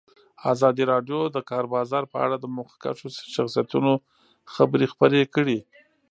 ازادي راډیو د د کار بازار په اړه د مخکښو شخصیتونو خبرې خپرې کړي.